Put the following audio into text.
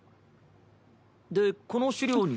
でこの資料に。